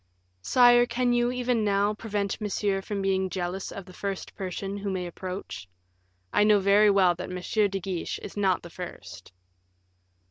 "Sire, can you, even now, prevent Monsieur from being jealous of the first person who may approach? I know very well that M. de Guiche is not the first."